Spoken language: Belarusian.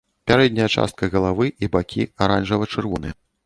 Пярэдняя частка галавы і бакі аранжава-чырвоныя.